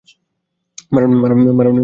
মারান, এটা ঠিক না।